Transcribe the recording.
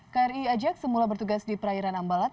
kri ajak semula bertugas di perairan ambalat